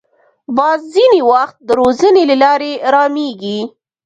باز ځینې وخت د روزنې له لارې رامېږي